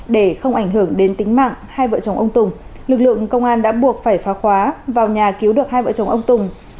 để không ảnh hưởng đến tính mạng hai vợ chồng ông tùng lực lượng công an đã buộc phải phá khóa vào nhà cứu được hai vợ chồng ông tùng